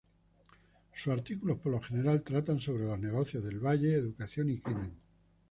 Sus artículos por lo general tratan sobre los negocios del valle, educación y crimen.